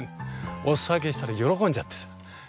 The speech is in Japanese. お裾分けしたら喜んじゃってさ。